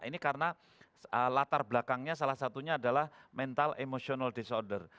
ini karena latar belakangnya salah satunya adalah mental emotional disorder